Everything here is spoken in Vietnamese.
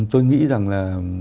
tôi nghĩ rằng là